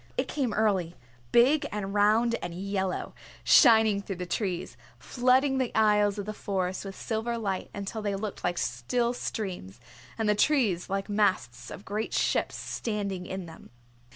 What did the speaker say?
It came early, big and round and yellow, shining through the trees, flooding the aisles of the Forest with silver light until they looked like still streams, and the trees like masts of great ships standing in them.